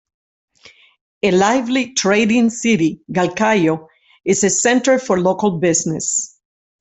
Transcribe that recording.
A lively trading city, Galkayo is a center for local business.